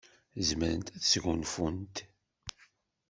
Zemrent ad sgunfunt.